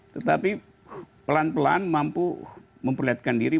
tetapi pelan pelan mampu memperlihatkan diri